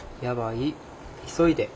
「やばい」